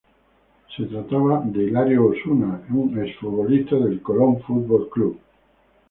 Se trataba de Hilario Osuna, un exfutbolista del Colón Football Club.